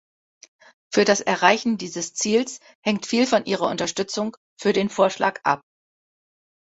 Für das Erreichen dieses Ziels hängt viel von Ihrer Unterstützung für den Vorschlag ab.